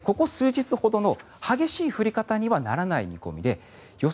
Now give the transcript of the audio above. ここ数日ほどの激しい降り方にはならない見込みで予想